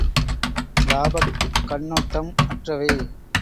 இலாபக் கண்ணொட்டம் அற்றவை.